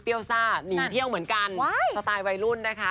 ซ่าหนีเที่ยวเหมือนกันสไตล์วัยรุ่นนะคะ